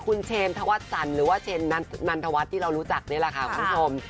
คุณเชนธวัชสันหรือว่าเชนนันทวัฒน์ที่เรารู้จักนี่แหละค่ะคุณผู้ชม